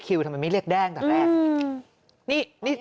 คิวทำไมไม่เรียกแด้งจากแรก